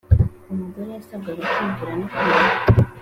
umugore yasabwaga kumvira no kubaha